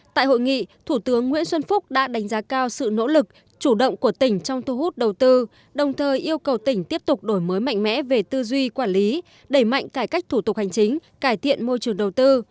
tại hội nghị thủ tướng nguyễn xuân phúc đã đánh giá cao sự nỗ lực chủ động của tỉnh trong thu hút đầu tư đồng thời yêu cầu tỉnh tiếp tục đổi mới mạnh mẽ về tư duy quản lý đẩy mạnh cải cách thủ tục hành chính cải thiện môi trường đầu tư